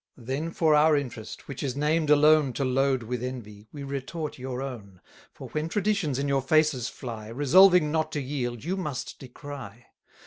Then for our interest, which is named alone To load with envy, we retort your own, For when Traditions in your faces fly, 240 Resolving not to yield, you must decry.